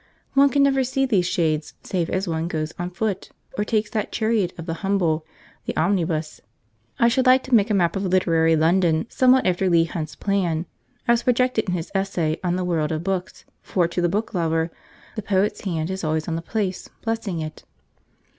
One can never see these shades, save as one goes on foot, or takes that chariot of the humble, the omnibus. I should like to make a map of literary London somewhat after Leigh Hunt's plan, as projected in his essay on the World of Books; for to the book lover 'the poet's hand is always on the place, blessing it.'